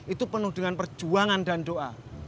itu penuh dengan perjuangan dan doa